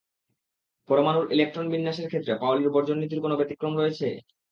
পরমাণুর ইলেকট্রন বিন্যাসের ক্ষেত্রে পাউলির বর্জন নীতির কোনো ব্যতিক্রম রয়েছে?